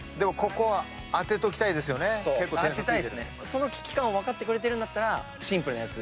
その危機感を分かってくれてるんだったらシンプルなやつ。